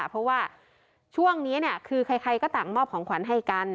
เพราะว่าช่วงนี้คือใครก็ต่างมอบของขวัญให้กัน